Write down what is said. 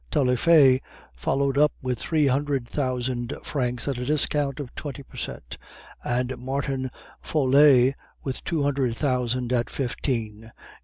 Taillefer followed up with three hundred thousand francs at a discount of twenty per cent, and Martin Falleix with two hundred thousand at fifteen.